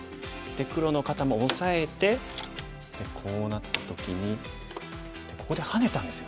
黒の方もオサえてこうなった時にここでハネたんですよ。